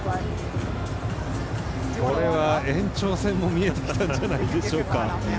これは延長戦も見えてきたんじゃないでしょうか。